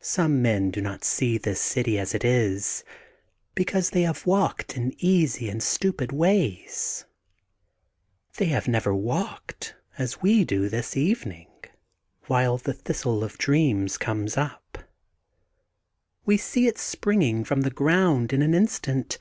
Some men do not see this city as it is, because they have walked in easy and stupid ways. They have never walked, as we do this even ing, while the Thistle of Dreams comes up. We see it springing from the ground in an instant.